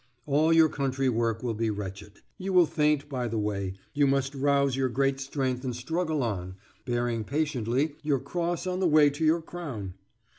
All your country work will be wretched; you will faint by the way; but you must rouse your great strength and struggle on, bearing patiently your cross on the way to your crown!